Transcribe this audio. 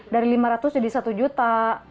dari lima ratus jadi satu juta